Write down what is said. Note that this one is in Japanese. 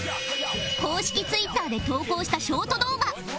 公式ツイッターで投稿したショート動画